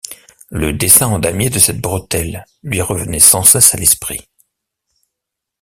Le dessin en damier de cette bretelle lui revenait sans cesse à l’esprit.